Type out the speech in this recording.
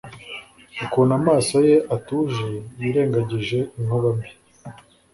Ukuntu amaso ye atuje yirengagije inkuba mbi